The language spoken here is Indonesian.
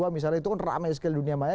misalnya itu kan ramai sekali dunia maya